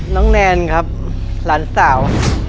น้องแนนครับหลานสาว